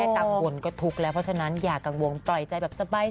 กังวลก็ทุกข์แล้วเพราะฉะนั้นอย่ากังวลปล่อยใจแบบสบาย